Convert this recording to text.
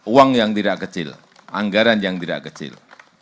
uang yang tidak kecil anggaran yang tidak kecil